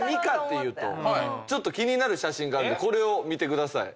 ちょっと気になる写真があるんでこれを見てください。